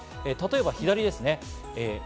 例えば左です。